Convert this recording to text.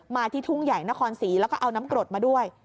ที่ทุ่งใหญ่นครศรีแล้วก็เอาน้ำกรดมาด้วย